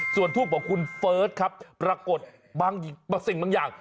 ส่วนทูปของคุณเฟิร์สครับปรากฏบางสิ่งบางอย่าง